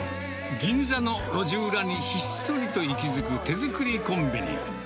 銀座の路地裏にひっそりと息づく手作りコンビニ。